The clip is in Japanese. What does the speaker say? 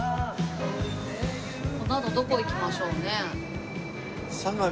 このあとどこ行きましょうね？